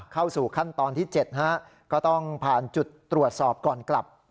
เข้าสู่ขั้นตอนที่๗ก็ต้องผ่านจุดตรวจสอบก่อนกลับ